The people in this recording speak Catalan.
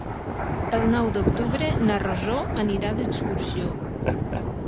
El nou d'octubre na Rosó anirà d'excursió.